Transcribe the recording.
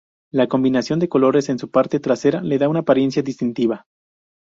La combinación de colores en su parte trasera le da una apariencia distintiva.